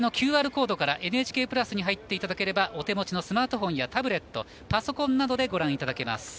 ＱＲコードからＮＨＫプラスに入っていただければお手持ちのスマートフォンやタブレット、パソコンなどでご覧いただけます。